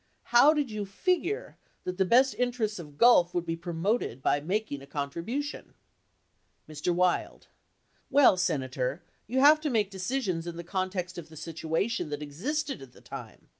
How did you figure that the best in terests of Gulf would be promoted by making a contribution ? Mr. Wild. Well, Senator, you have to make decisions in the context of the situation that existed at the time.